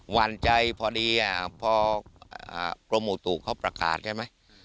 วันใจพอดีพอกรมอุตุเขาประกาศใช่ไหม